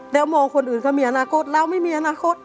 แล้วมองคนอื่นเขามีอนาคตเราไม่มีอนาคต